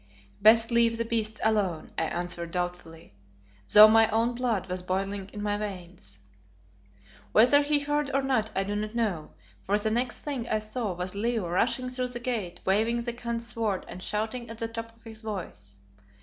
"Best leave the beasts alone," I answered doubtfully, though my own blood was boiling in my veins. Whether he heard or not I do not know, for the next thing I saw was Leo rushing through the gate waving the Khan's sword and shouting at the top of his voice.